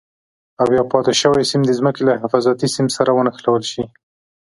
او یو پاتې شوی سیم د ځمکې له حفاظتي سیم سره ونښلول شي.